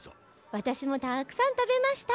わたしもたくさん食べました。